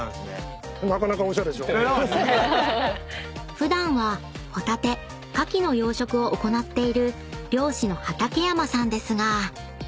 ［普段はホタテ・牡蠣の養殖を行っている漁師の畠山さんですが］